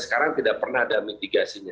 sekarang tidak pernah ada mitigasinya